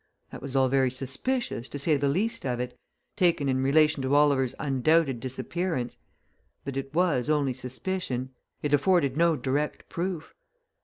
That was all very suspicious, to say the least of it, taken in relation to Oliver's undoubted disappearance but it was only suspicion; it afforded no direct proof.